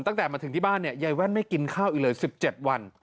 ตั้งแต่มาถึงที่บ้านเนี่ยยายแว่นไม่กินข้าวอีกเลย๑๗วัน